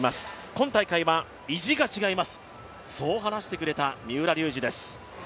今大会は意地が違います、そう話してくれた三浦龍司です。